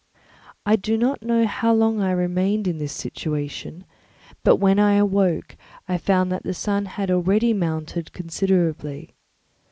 I do not know how long I remained in this situation, but when I awoke I found that the sun had already mounted considerably.